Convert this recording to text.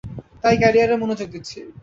তাই ক্যারিয়ারে মনোযোগ দিচ্ছি।